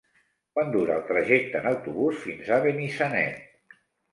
Quant dura el trajecte en autobús fins a Benissanet?